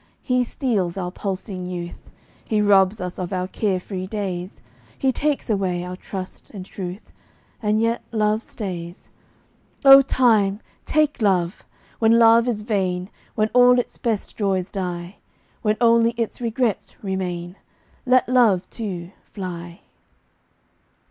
He steals our pulsing youth; He robs us of our care free days; He takes away our trust and truth: And yet love stays. O Time! take love! When love is vain, When all its best joys die When only its regrets remain Let love, too, fly.